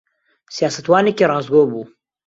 سیاسەتوانێکی ڕاستگۆ بوو.